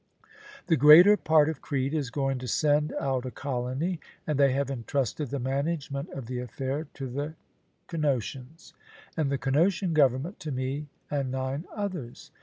The greater part of Crete is going to send out a colony, and they have entrusted the management of the affair to the Cnosians; and the Cnosian government to me and nine others.